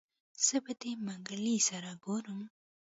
زه به د منګلي سره ګورم.